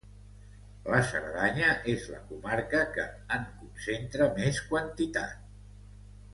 La Cerdanya és la comarca que en concentra més quantitat.